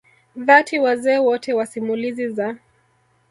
dhati wazee wote wa simulizi za